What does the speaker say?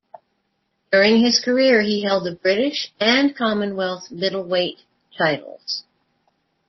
During his career he held the British and Commonwealth middleweight titles.